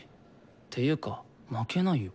ていうか負けないよ。